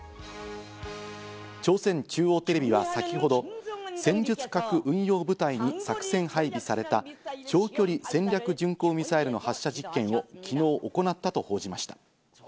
朝鮮中央テレビは先ほど、戦術核運用部隊に作戦配備された長距離戦略巡航ミサイルの発射実験を昨日行ったと報じました。